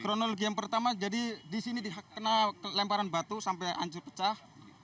kronologi yang pertama jadi di sini dikenal lemparan batu sampai hancur pecah